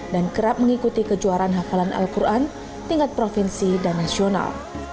dan kerap mengikuti kejuaraan hafalan al quran tingkat provinsi dan nasional